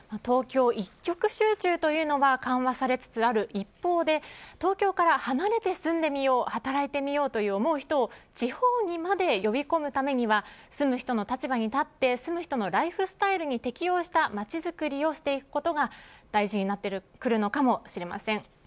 東京一極集中というのが緩和されつつある一方で東京から離れて住んでみよう働いてみようと思う人を地方にまで呼び込むためには住む人の立場に立って住む人のライフスタイルに適応した街づくりをしていくことが大事になってくるのかもしれません。